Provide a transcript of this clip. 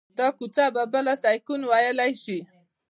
دا کوڅه به بله سیلیکون ویلي شي